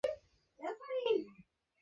অপর একস্থলে যীশুকে আমার সামনে আনা হইয়াছিল।